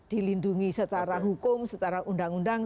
dilindungi secara hukum secara undang undang